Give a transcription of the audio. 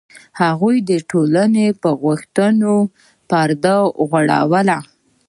هغوی د ټولنې پر غوښتنو پرده غوړوله.